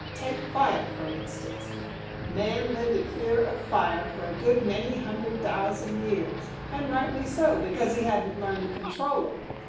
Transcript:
Take 'fire' for example: Man lived in fear of fire for a good many hundred thousand years and rightly so, because he hadn't learned to control it.